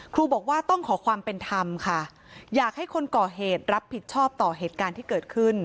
ครูบอกว่าต้องขอความเป็นธรรมค่ะอยากให้คนก่อเหตุรับผิดชอบต่อเหตุการณ์ที่เกิดขึ้น